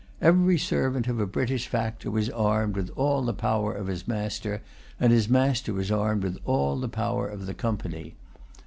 Every servant of a British factor was armed with all the power of his master; and his master was armed with all the power of the Company.